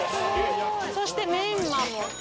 そしてメンマも。